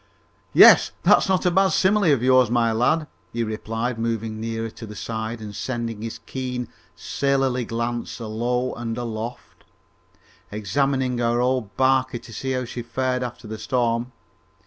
"Yes, that's not a bad simile of yours, my lad," he replied, moving nearer to the side and sending his keen sailorly glance alow and aloft, examining our old barquey to see how she fared after the storm.